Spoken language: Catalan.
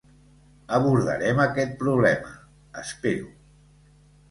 Abordarem aquest problema, espero.